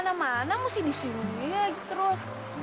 kita nggak boleh kemana mana mesti di sini lagi terus